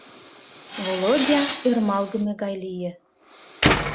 Володя ӧрмалгыме гай лие.